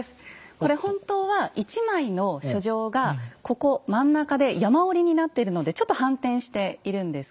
これ本当は１枚の書状がここ真ん中で山折りになってるのでちょっと反転しているんですけれども。